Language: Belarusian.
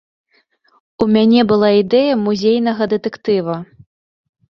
У мяне была ідэя музейнага дэтэктыва.